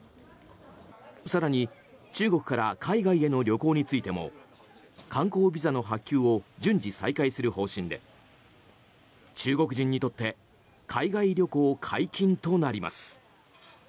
更に、中国から海外への旅行についても観光ビザの発給を順次、再開する方針で中国人にとって海外旅行解禁となります。